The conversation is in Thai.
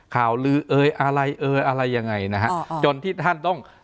ข่าวลืออะไรอะไรยังไงนะครับจนที่ท่านต้อง